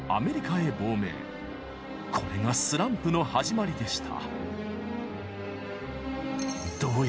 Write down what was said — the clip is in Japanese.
これがスランプの始まりでした。